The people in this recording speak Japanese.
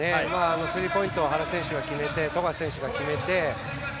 スリーポイント原選手が決めて富樫選手が決めて。